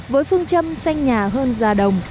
với phương châm xanh nhà hơn già đồng